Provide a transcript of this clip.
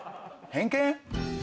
偏見？